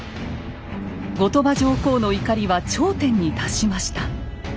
後鳥羽上皇の怒りは頂点に達しました。